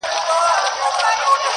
راوړي مزار ته خیام هر سړی خپل خپل حاجت,